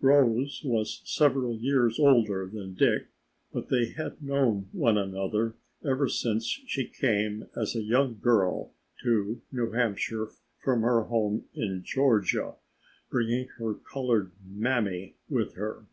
Rose was several years older than Dick, but they had known one another ever since she came as a young girl to New Hampshire from her home in Georgia, bringing her colored mammy with her.